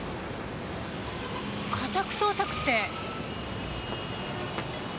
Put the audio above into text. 家宅捜索って！？